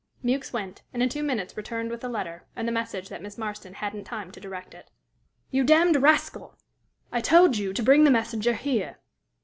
Mewks went, and in two minutes returned with the letter, and the message that Miss Marston hadn't time to direct it. "You damned rascal! I told you to bring the messenger here."